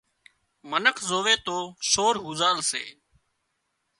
منک زووي تو سور هوزال سي